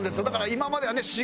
だから今まではね